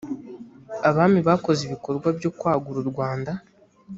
abami bakoze ibikorwa byo kwagura u rwanda.